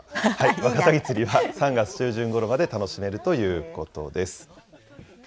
ワカサギ釣りは３月中旬ごろまで楽しめるということです。